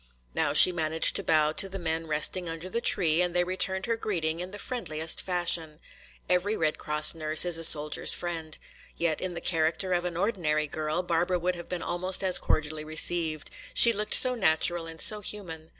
Now she managed to bow to the men resting under the tree and they returned her greeting in the friendliest fashion. Every Red Cross nurse is a soldier's friend. Yet in the character of an ordinary girl Barbara would have been almost as cordially received. She looked so natural and so human.